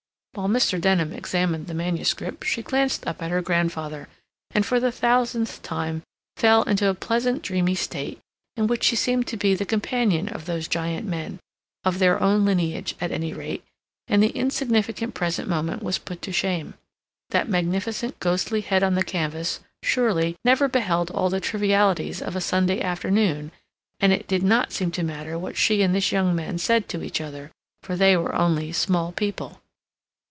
While Mr. Denham examined the manuscript, she glanced up at her grandfather, and, for the thousandth time, fell into a pleasant dreamy state in which she seemed to be the companion of those giant men, of their own lineage, at any rate, and the insignificant present moment was put to shame. That magnificent ghostly head on the canvas, surely, never beheld all the trivialities of a Sunday afternoon, and it did not seem to matter what she and this young man said to each other, for they were only small people.